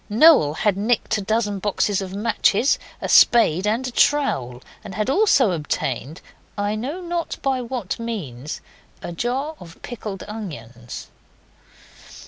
Noel had nicked a dozen boxes of matches, a spade, and a trowel, and had also obtained I know not by what means a jar of pickled onions.